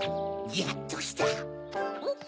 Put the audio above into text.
やっときた！